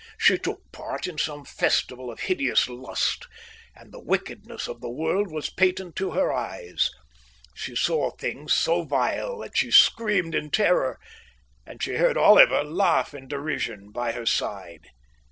She took part in some festival of hideous lust, and the wickedness of the world was patent to her eyes. She saw things so vile that she screamed in terror, and she heard Oliver laugh in derision by her side.